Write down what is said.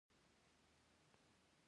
د کندهار په معروف کې د ګچ نښې شته.